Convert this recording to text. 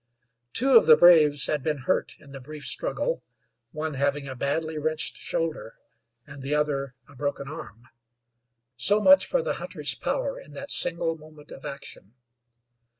Two of the braves had been hurt in the brief struggle, one having a badly wrenched shoulder and the other a broken arm. So much for the hunter's power in that single moment of action.